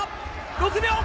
６秒。